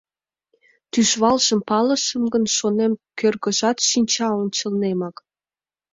Тӱжвалжым палышым гын, шонем, кӧргыжат шинча ончылнемак.